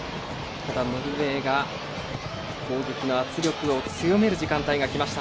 ノルウェーが攻撃の圧力を強める時間帯がきました。